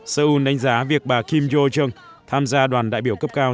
seoul đánh giá việc bà kim yo jung tham gia đoàn đại biểu cấp cao